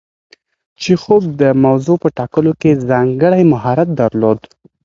چیخوف د موضوع په ټاکلو کې ځانګړی مهارت درلود.